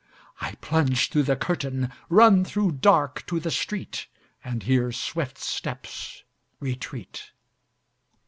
I plunge through the curtain, run through dark to the street, And hear swift steps retreat